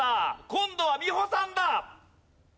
今度は美穂さんだ！